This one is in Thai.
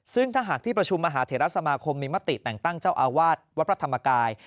ซึ่งถ้าหากที่ประชุมมหาเทราสมาคมมีมติแต่งตั้งเจ้าอาวาสวัดพระธรรมกาย